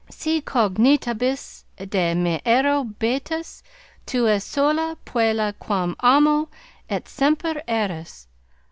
Si cogitabis de me ero beatus. Tu es sola puella quam amo, et semper eris.